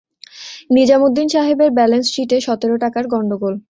নিজামুদ্দিন সাহেবের ব্যালেন্স শীটে সতের টাকার গণ্ডগোল।